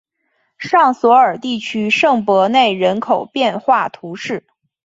尚索尔地区圣博内人口变化图示